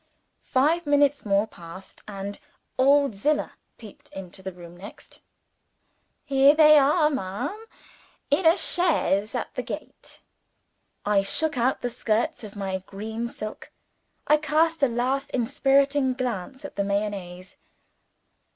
Five minutes more passed; and old Zillah peeped into the room next. "Here they are, ma'am, in a chaise at the gate!" I shook out the skirts of my green silk, I cast a last inspiriting glance at the Mayonnaise.